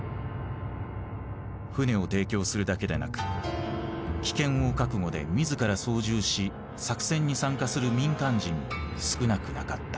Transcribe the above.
船を提供するだけでなく危険を覚悟で自ら操縦し作戦に参加する民間人も少なくなかった。